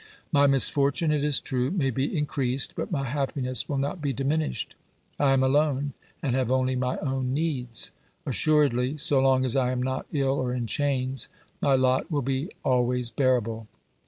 My misfortune, it is true, may be increased, but my happiness will not be diminished.* I am alone, and have only my own needs. Assuredly, so long as I am not ill or in chains, my lot will be always bear able.